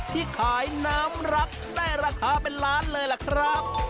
ที่ขายน้ำรักได้ราคาเป็นล้านเลยล่ะครับ